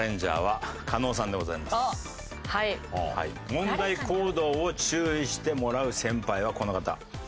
問題行動を注意してもらう先輩はこの方。